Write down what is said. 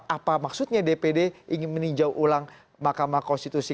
apa maksudnya dpd ingin meninjau ulang mahkamah konstitusi